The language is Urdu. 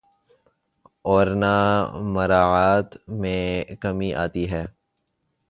اورنہ مراعات میں کمی آتی ہے۔